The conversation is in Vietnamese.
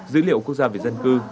dữ liệu quốc gia về dân cư